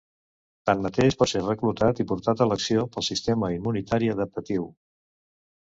Tanmateix, pot ser reclutat i portat a l'acció pel sistema immunitari adaptatiu.